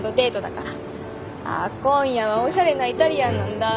あっ今夜はおしゃれなイタリアンなんだ。